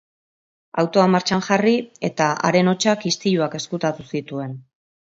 Autoa martxan jarri eta haren hotsak istiluak ezkutatu zituen.